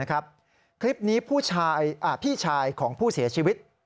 คลิปนี้พี่ชายของผู้เสียชีวิต